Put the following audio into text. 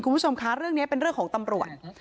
คุณผู้ชมคะเรื่องนี้เป็นเรื่องของตำรวจ